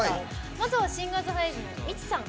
まずはシンガーズハイのみつさん。